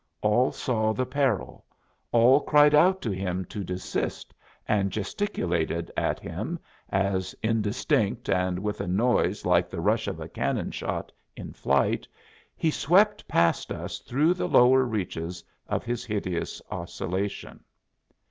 All saw the peril all cried out to him to desist, and gesticulated at him as, indistinct and with a noise like the rush of a cannon shot in flight, he swept past us through the lower reaches of his hideous oscillation.